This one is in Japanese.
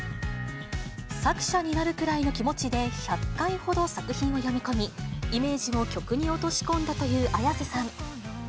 作者になるくらいの気持ちで、１００回ほど作品を読み込み、イメージを曲に落とし込んだというＡｙａｓｅさん。